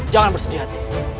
jangan bersedih hati